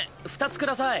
２つください。